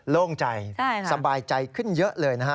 โล่งใจสบายใจขึ้นเยอะเลยนะฮะ